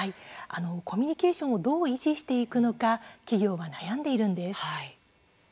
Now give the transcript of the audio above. コミュニケーションをどう維持していくのか企業は悩んでいるんです。